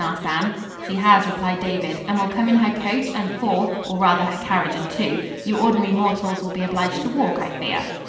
asked Anne. "She has," replied David, "and will come in her coach and four, or rather her carriage and two. You ordinary mortals will be obliged to walk, I fear."